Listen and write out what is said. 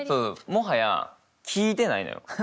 もはや聞いてないのよ。